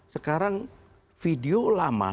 sekarang video lama